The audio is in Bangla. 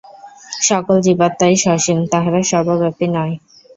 সকল জীবাত্মাই সসীম, তাহারা সর্বব্যাপী নয়।